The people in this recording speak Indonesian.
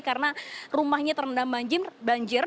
karena rumahnya terendam banjir